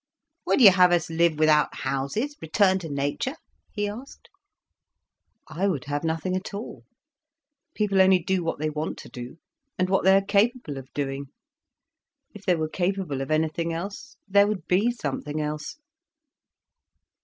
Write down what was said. "Would you have us live without houses—return to nature?" he asked. "I would have nothing at all. People only do what they want to do—and what they are capable of doing. If they were capable of anything else, there would be something else."